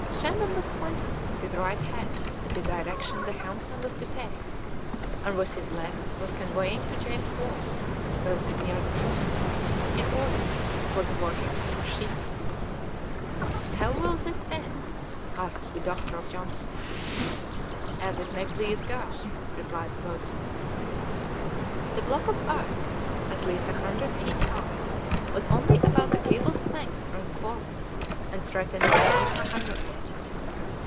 Shandon was pointing with his right hand at the direction the helmsman was to take, and with his left was conveying to James Wall, posted near the engineer, his orders for the working of the machine. "How will this end?" asked the doctor of Johnson. "As it may please God," replied the boatswain. The block of ice, at least a hundred feet high, was only about a cable's length from the Forward, and threatened to pound her under it.